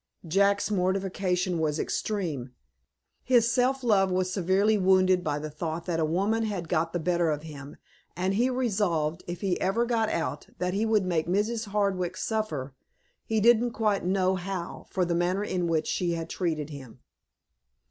Jack's mortification was extreme. His self love was severely wounded by the thought that a woman had got the better of him, and he resolved, if he ever got out, that he would make Mrs. Hardwick suffer, he didn't quite know how, for the manner in which she had treated him.